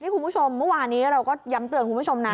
คุณผู้ชมเมื่อวานี้เราก็ย้ำเตือนคุณผู้ชมนะ